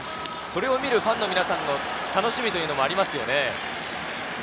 それを見るファンの皆さんの楽しみというのもありますよね。